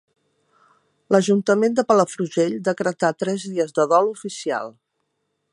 L'Ajuntament de Palafrugell decretà tres dies de dol oficial.